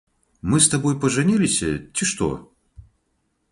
Мы з табой пажаніліся, ці што?